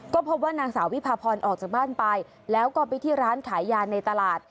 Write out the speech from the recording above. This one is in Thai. ก็พบว่านางสาววิพาพรออกจากบ้านไปแล้วก็ไปที่ร้านขายยาในตลาด